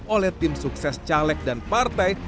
oleh tim sukses caleg dan partai